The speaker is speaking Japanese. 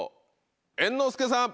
猿之助さん。